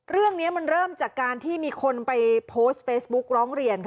เรื่องนี้มันเริ่มจากการที่มีคนไปโพสต์เฟซบุ๊กร้องเรียน